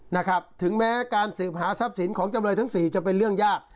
นะครับถึงแม้การสืบหาทรัพย์สินของจำเลยทั้งสี่จะเป็นเรื่องยาก